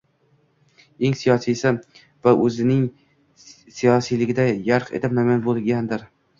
eng siyosiysi va o‘zining siyosiyligida yarq etib namoyon bo‘lganidir